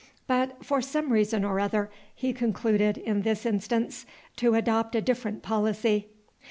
But, for some reason or other, he concluded, in this instance, to adopt a different policy.